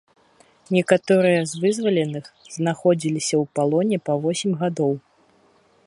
Некаторыя з вызваленых знаходзіліся ў палоне па восем гадоў.